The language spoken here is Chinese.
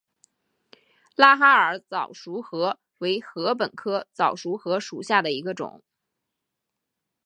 拉哈尔早熟禾为禾本科早熟禾属下的一个种。